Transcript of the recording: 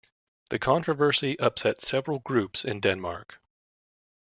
The controversy upset several groups in Denmark.